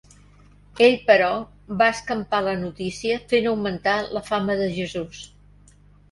Ell, però, va escampar la notícia fent augmentar la fama de Jesús.